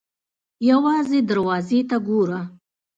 _ يوازې دروازې ته ګوره!